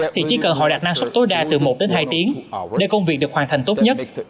thì chỉ cần họ đạt năng suất tối đa từ một đến hai tiếng để công việc được hoàn thành tốt nhất